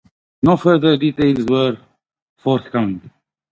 No further details were forthcoming.